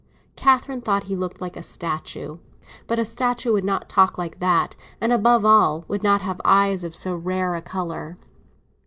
Catherine thought he looked like a statue. But a statue would not talk like that, and, above all, would not have eyes of so rare a colour.